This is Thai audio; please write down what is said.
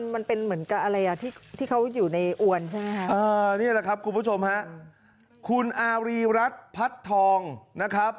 มันเป็นอะไรที่เขาอยู่ในอวรใช่ไหมครับนี่แหละครับคุณผู้ชมคุณอารีรัฐพัดทองนะครับ